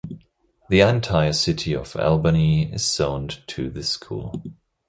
The entire city of Albany is zoned to this school.